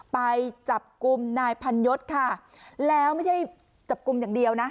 ไปจับกลุ่มนายพันยศค่ะแล้วไม่ใช่จับกลุ่มอย่างเดียวนะ